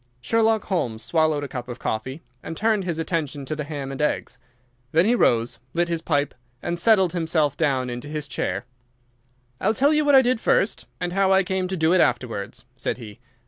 Sherlock Holmes swallowed a cup of coffee, and turned his attention to the ham and eggs. Then he rose, lit his pipe, and settled himself down into his chair. "I'll tell you what I did first, and how I came to do it afterwards," said he.